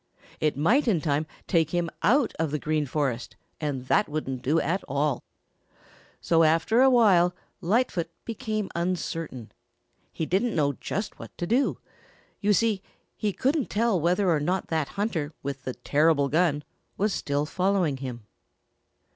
It might in time take him out of the Green Forest and that wouldn't do at all. So after a while Lightfoot became uncertain. He didn't know just what to do. You see, he couldn't tell whether or not that hunter with the terrible gun was still following him.